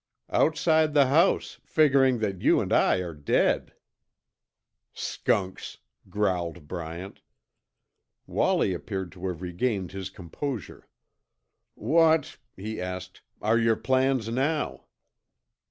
"Outside the house, figuring that you and I are dead." "Skunks," growled Bryant. Wallie appeared to have regained his composure. "What," he asked, "are your plans now?"